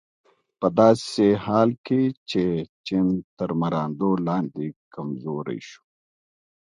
په داسې حال کې چې چین تر مراندو لاندې کمزوری شو.